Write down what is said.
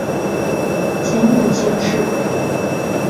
前母秦氏。